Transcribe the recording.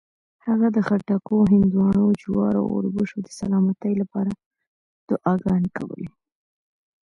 هغه د خټکو، هندواڼو، جوارو او اوربشو د سلامتۍ لپاره دعاګانې کولې.